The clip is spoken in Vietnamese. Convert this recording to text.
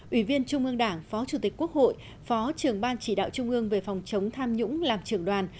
ủy viên trung ương đảng phó chủ tịch quốc hội phó trưởng ban chỉ đạo trung ương về phòng chống tham nhũng làm trưởng đoàn